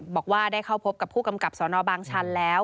บอกว่าได้เข้าพบกับผู้กำกับสนบางชันแล้ว